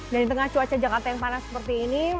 dan di tengah cuaca jakarta yang panas seperti ini